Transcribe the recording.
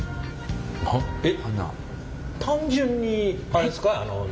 えっ単純にあれですか？